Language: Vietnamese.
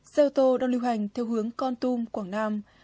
xe ô tô đang liêu hành theo hướng con tung quảng nam